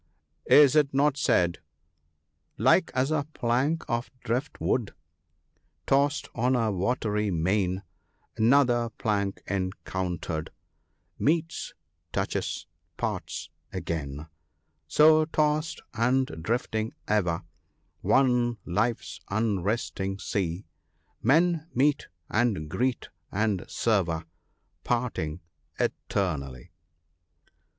Is it not said —" Like as a plank of drift wood Tossed on the watery main, Another plank encountered, Meets, — touches, — parts again ; So tossed, and drifting ever, On life's unresting sea, Men meet, and greet, and sever, Parting eternally."